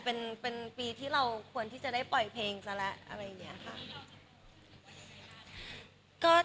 เป็นปีที่เราควรที่จะได้ปล่อยเพลงซะแล้วอะไรอย่างนี้ค่ะ